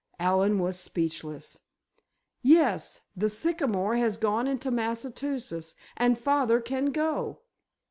——" Allen was speechless. "Yes; the sycamore has gone into Massachusetts—and father can go!"